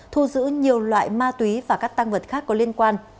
thu giữ nhiều loại ma túy và các tăng vật khác có liên quan